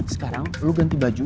sekarang lu ganti baju